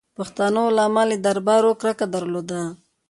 پښتانه علما له دربارو کرکه درلوده.